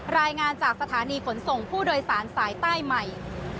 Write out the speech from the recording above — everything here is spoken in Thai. รายงานจากสถานีขนส่งผู้โดยสารสายใต้ใหม่